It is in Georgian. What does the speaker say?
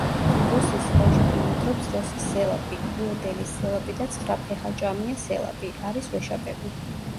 როსის ზღვაში ბინადრობს როსის სელაპი, უედელის სელაპი და ცხრაფეხაჭამია სელაპი, არის ვეშაპები.